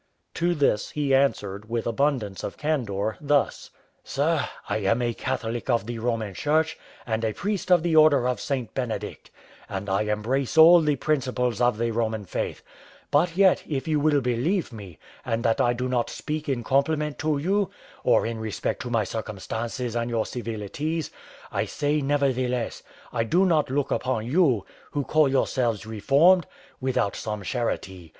To this he answered, with abundance of candour, thus: "Sir, I am a Catholic of the Roman Church, and a priest of the order of St. Benedict, and I embrace all the principles of the Roman faith; but yet, if you will believe me, and that I do not speak in compliment to you, or in respect to my circumstances and your civilities; I say nevertheless, I do not look upon you, who call yourselves reformed, without some charity.